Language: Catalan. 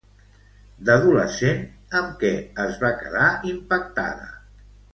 D'adolescent, amb què es va quedar impactada?